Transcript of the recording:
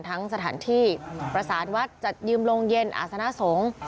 สถานที่ประสานวัดจัดยืมโรงเย็นอาศนสงฆ์